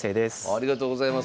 ありがとうございます。